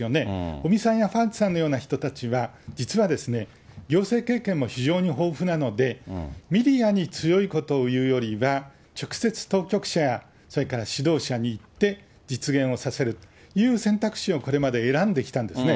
尾身さんやファウチさんのような人たちは、実はですね、行政経験も非常に豊富なので、メディアに強いことを言うよりは、直接当局者や、それから指導者に言って、実現をさせるという選択肢をこれまで選んできたんですね。